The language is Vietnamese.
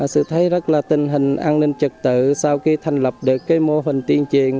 sự thấy rất là tình hình an ninh trật tự sau khi thành lập được cái mô hình tiên truyền